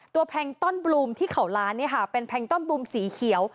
ตัวแพงก์ต้อนบลูมที่เขาร้านเป็นต้นปลุ่มสีเขียว